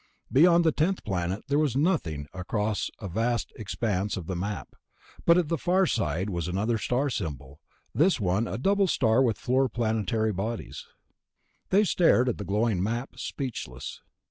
Beyond the tenth planet there was nothing across a vast expanse of the map ... but at the far side was another star symbol, this one a double star with four planetary bodies. They stared at the glowing map, speechless.